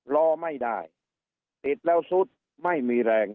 รอไม่ได้ติดแล้วซุดไม่มีแรง